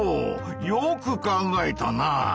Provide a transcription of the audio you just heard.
よく考えたな。